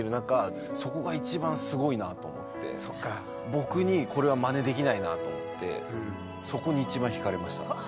僕にこれはまねできないなと思ってそこに一番ひかれました。